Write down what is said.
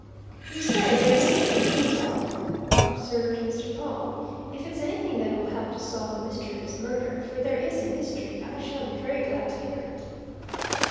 "You say there is something you can tell?" observed Mr. Pawle. "If it's anything that will help to solve the mystery of this murder, for there is a mystery, I shall be very glad to hear it."